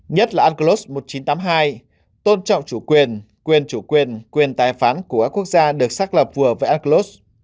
nhất là unclos một nghìn chín trăm tám mươi hai tôn trọng chủ quyền quyền chủ quyền quyền tài phán của các quốc gia được xác lập vừa với aclos